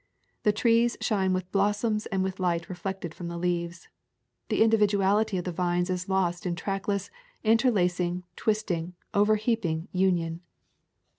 The trees shine with blossoms and with light reflected from the leaves. The individuality of the vines is lost in trackless, interlacing, twisting, overheaping union.